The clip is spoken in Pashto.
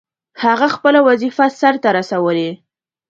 هغه خپله وظیفه سرته رسولې.